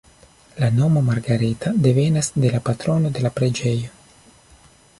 La nomo Margareta devenas de la patrono de la preĝejo.